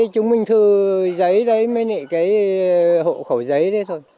chúng mình thừa giấy đấy cái hộ khẩu giấy đấy thôi